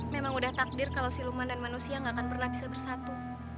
memang udah takdir kalo si luman dan manusia ga akan pernah bisa bersatu